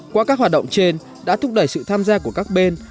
qua các hoạt động trên đã thúc đẩy sự tham gia của các bên